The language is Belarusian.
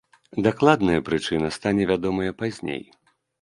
Дакладная прычына стане вядомая пазней.